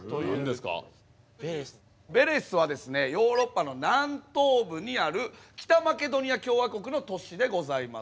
ヴェレスはヨーロッパの南東部にある北マケドニア共和国の都市でございます。